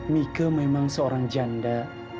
mieke memang seorang janda